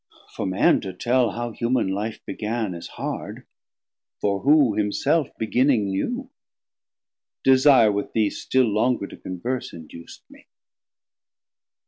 For Man to tell how human Life began 250 Is hard; for who himself beginning knew? Desire with thee still longer to converse Induc'd me.